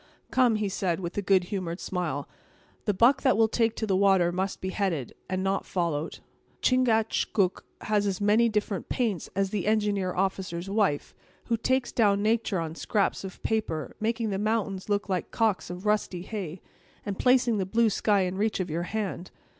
"Come," he said, with a good humored smile; "the buck that will take to the water must be headed, and not followed. Chingachgook has as many different paints as the engineer officer's wife, who takes down natur' on scraps of paper, making the mountains look like cocks of rusty hay, and placing the blue sky in reach of your hand.